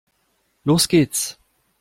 Los geht's!